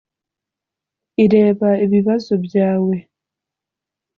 ireba ibibazo byawe